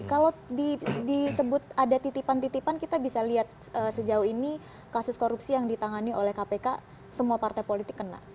kalau disebut ada titipan titipan kita bisa lihat sejauh ini kasus korupsi yang ditangani oleh kpk semua partai politik kena